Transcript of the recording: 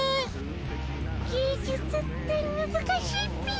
芸術ってむずかしいっピ。